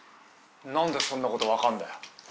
何でそんなこと分かんだよ？